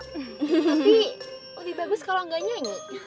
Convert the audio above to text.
tapi lebih bagus kalau nggak nyanyi